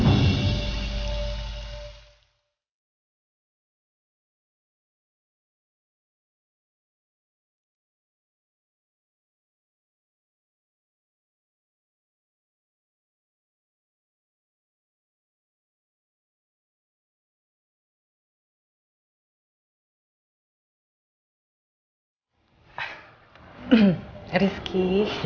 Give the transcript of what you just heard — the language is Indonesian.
bukap saya squared